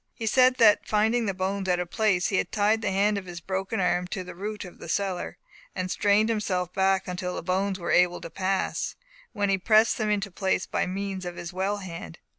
He said that finding the bones out of place, he had tied the hand of his broken arm to a root of the cedar, and strained himself back until the bones were able to pass, when he pressed them into place by means of his well hand.